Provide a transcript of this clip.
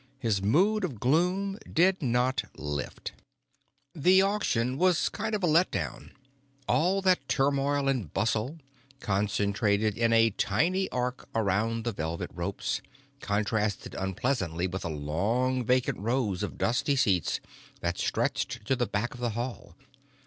His mood of gloom did not lift. The auction was a kind of letdown. All that turmoil and bustle, concentrated in a tiny arc around the velvet ropes, contrasted unpleasantly with the long, vacant rows of dusty seats that stretched to the back of the hall.